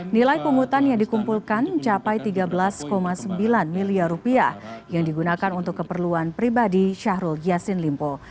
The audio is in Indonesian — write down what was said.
nilai penghutang yang dikumpulkan mencapai tiga belas sembilan miliar rupiah yang digunakan untuk keperluan pribadi syahrul yassin limpo